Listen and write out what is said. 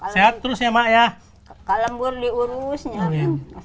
sehat terus ya maya kalem buru urusnya